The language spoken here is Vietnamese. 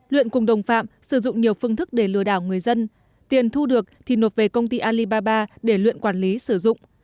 luyện cùng đồng phạm sử dụng nhiều phương thức để lừa đảo người dân tiền thu được thì nộp về công ty alibaba để luyện quản lý sử dụng